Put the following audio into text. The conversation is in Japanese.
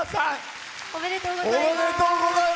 おめでとうございます。